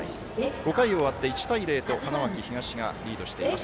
５回終わって１対０と花巻東がリードしています。